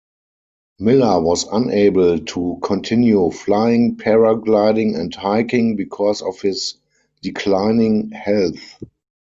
Miller was unable to continue flying, paragliding and hiking because of his declining health.